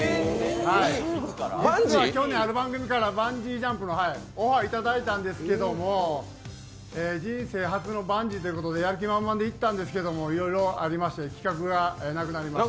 僕は去年ある番組からバンジージャンプのオファーいただいたんですけど、人生初のバンジーということでやる気満々で行ったんですけど、いろいろありまして企画がなくなりました。